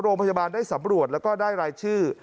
โรงพยาบาลได้สำรวจแล้วก็ได้รายชื่อ